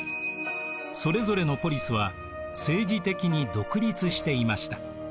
それぞれのポリスは政治的に独立していました。